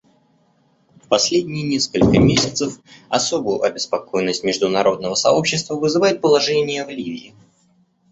В последние несколько месяцев особую обеспокоенность международного сообщества вызывает положение в Ливии.